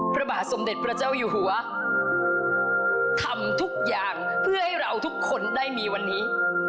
พระบาทสมเด็จพระเจ้าอยู่หัวทำทุกอย่างเพื่อให้เราทุกคนได้มีวันนี้